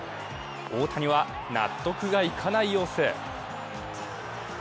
大谷は納得がいかない様子。